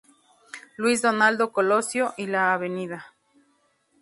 Luis Donaldo Colosio y la Av.